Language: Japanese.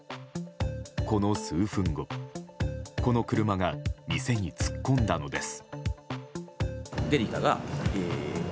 この数分後、この車が店に突っ込んだのです。